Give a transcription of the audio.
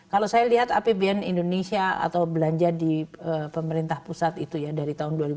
kalau saya lihat apbn indonesia atau belanja di pemerintah pusat itu ya dari tahun dua ribu dua belas sampai dua ribu tujuh belas